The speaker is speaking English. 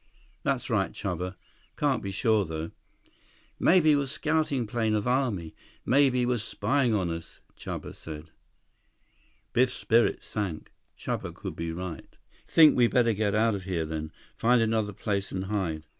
"That's right, Chuba. Can't be sure, though." "Maybe was scouting plane of army. Maybe was spying on us," Chuba said. Biff's spirits sank. Chuba could be right. "Think we better get out of here then? Find another place and hide?"